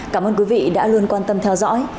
cảm ơn quý vị đã luôn quan tâm theo dõi